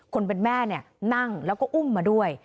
คนเป็นแม่นั่งแล้วก็อุ้มมาด้วย